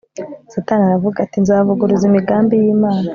Satani aravuga ati Nzavuguruza imigambi yImana